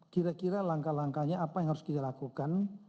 kira kira langkah langkahnya apa yang harus kita lakukan